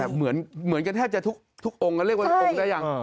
เหมือนกันแทบจะทุกองค์เรียกว่าองค์ได้ยัง